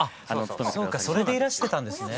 そうかそれでいらしてたんですね。